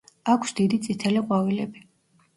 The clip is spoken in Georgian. აქვს დიდი წითელი ყვავილები.